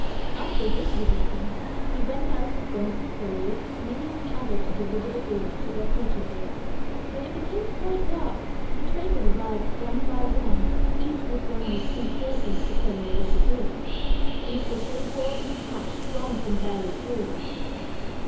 After this was eaten he went out with one of his followers, leaving the other to deliver the goods to their purchasers. When it became quite dark the traders arrived one by one, each with one or two porters to carry away the goods. These were paid for in cash drawn from buried hoards.